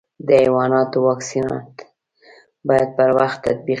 د حیواناتو واکسینات باید پر وخت تطبیق شي.